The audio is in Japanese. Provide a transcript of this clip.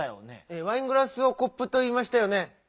「ワイングラス」を「コップ」といいましたよね。